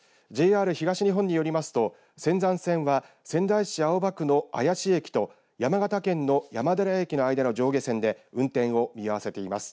ＪＲ東日本によりますと仙山線は仙台市青葉区の愛子駅と山形県の山寺駅の間の上下線で運転を見合わせています。